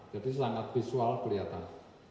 jadi sangat visual kelihatan